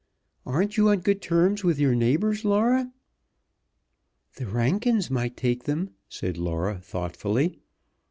Aren't you on good terms with your neighbors, Laura?" "The Rankins might take them," said Laura, thoughtfully.